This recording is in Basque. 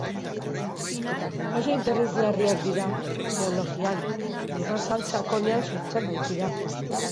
Oso interesgarriak dira geologian, lurrazal sakonean sortzen baitira.